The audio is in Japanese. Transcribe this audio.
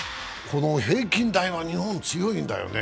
この平均台は日本、強いんだよね。